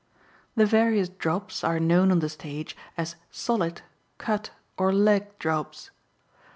The various drops are known on the stage as "solid," "cut" or "leg" drops.